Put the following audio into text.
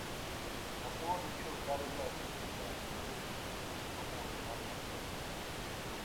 Mantuvo dicho cargo, así como el de "Astrónomo Real", hasta su muerte.